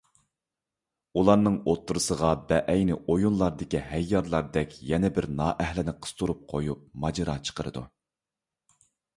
ئۇلارنىڭ ئوتتۇرىسىغا بەئەينى ئويۇنلاردىكى ھەييارلاردەك يەنە بىر نائەھلىنى قىستۇرۇپ قويۇپ ماجىرا چىقىرىدۇ.